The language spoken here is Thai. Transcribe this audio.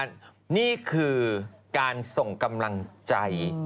กาลที่นี่คือการส่งกำลังใจ